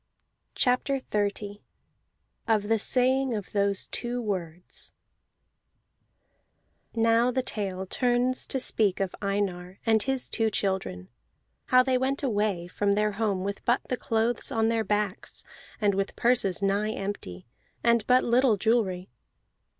CHAPTER XXX OF THE SAYING OF THOSE TWO WORDS Now the tale turns to speak of Einar and his two children: how they went away from their home with but the clothes on their backs, and with purses nigh empty, and but little jewelry.